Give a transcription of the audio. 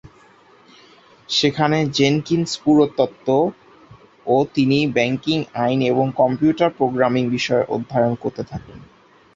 সেখানে জেনকিন্স পুরাতত্ত্ব ও তিনি ব্যাংকিং আইন এবং কম্পিউটার প্রোগ্রামিং বিষয়ে অধ্যয়ন করতে থাকেন।